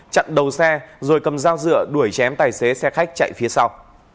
chặn đầu xe rồi cầm dao dựa đuổi chém tài xế xe khách chạy phía sau